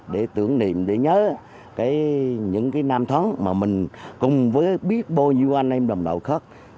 để tưởng niệm để nhớ những cái nam thắng mà mình cùng với biết bao nhiêu anh em đồng đội khác